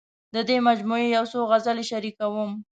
د دې مجموعې یو څو غزلې شریکوم.